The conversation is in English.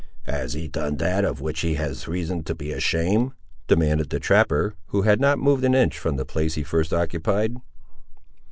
"Has he done that of which he has reason to be ashamed?" demanded the trapper, who had not moved an inch from the place he first occupied.